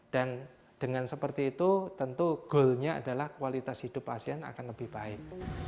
dan dengan seperti itu tentu goalnya adalah kualitas hidup pasien akan lebih baik